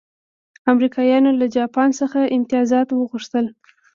امریکایانو له جاپان څخه امتیازات وغوښتل.